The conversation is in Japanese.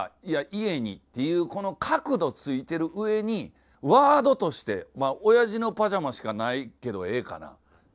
「いや家に」っていうこの角度ついてる上にワードとして「おやじのパジャマしかないけどええかな？」。